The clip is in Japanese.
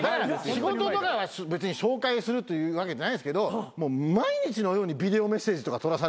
仕事とかは別に紹介するというわけじゃないですけどもう毎日のようにビデオメッセージとか撮らされますから。